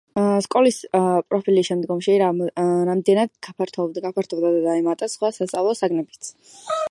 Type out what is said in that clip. სკოლის პროფილი შემდგომში რამდენადმე გაფართოვდა და დაემატა სხვა სასწავლო საგნებიც.